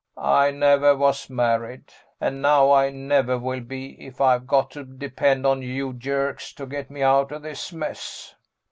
"I never was married. And now I never will be if I've got to depend on you jerks to get me out of this mess."